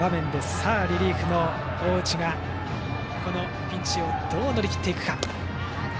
さあ、リリーフの大内がピンチをどう乗り切っていくか。